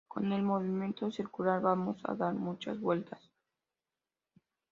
Con el movimiento circular vamos a dar muchas vueltas.